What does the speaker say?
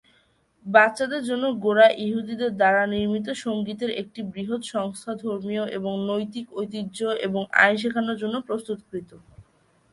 বাচ্চাদের জন্য গোঁড়া ইহুদিদের দ্বারা নির্মিত সংগীতের একটি বৃহৎ সংস্থা ধর্মীয় এবং নৈতিক ঐতিহ্য এবং আইন শেখানোর জন্য প্রস্তুতকৃত।